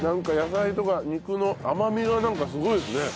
野菜とか肉の甘みがなんかすごいですね。